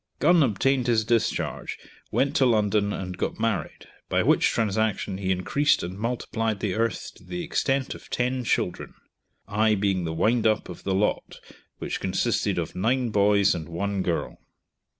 Gun obtained his discharge, went to London, and got married, by which transaction he increased and multiplied the earth to the extent of ten children, I being the wind up of the lot, which consisted of nine boys and one girl.